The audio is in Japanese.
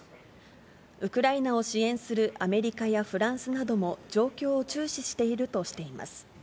ウクライナを支援するアメリカやフランスなども、状況を注視しているとしています。